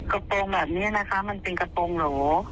กระโปรงแบบนี้นะคะมันเป็นกระโปรงโหล